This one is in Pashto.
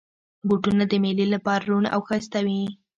بوټونه د مېلې لپاره روڼ او ښایسته وي.